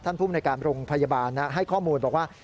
ท่านผู้บริการโรงพยาบาลนะครับให้ข้อมูลบอกว่า